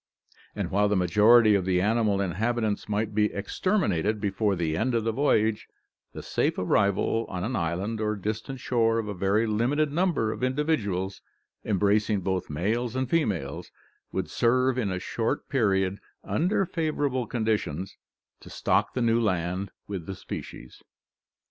And while the majority of the animal inhabitants might be exterminated before the end of the voyage, the safe arrival on an island or distant shore of a very limited number of individuals, embracing both males and females, would serve in a short period, under favourable conditions, to stock the new land with the species.